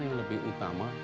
yang lebih utama